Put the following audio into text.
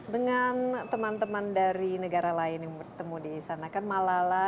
dengan teman teman dari negara lain yang bertemu di sana apa yang anda rasakan